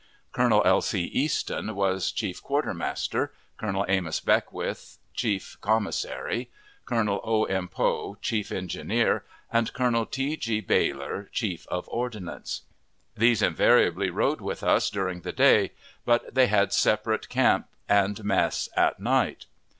Colonel L. C. Easton was chief quartermaster; Colonel Amos Beckwith, chief commissary; Colonel O. M. Poe, chief engineer; and Colonel T. G. Baylor, chief of ordnance. These invariably rode with us during the day, but they had a separate camp and mess at night.